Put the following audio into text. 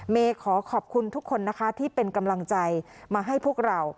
ขอขอบคุณทุกคนนะคะที่เป็นกำลังใจมาให้พวกเรา